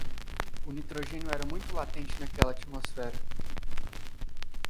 O nitrogênio era muito latente naquela atmosfera